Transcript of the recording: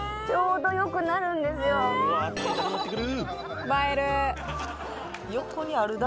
うわあ食べたくなってくる！